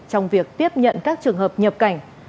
trong việc tiếp nhận các trường hợp nhập cảnh